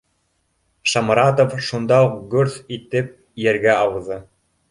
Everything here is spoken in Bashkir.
Шамратов шунда уҡ гөрҫ итеп ергә ауҙы